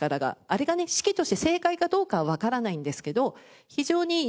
あれがね指揮として正解かどうかはわからないんですけど非常に印象的で。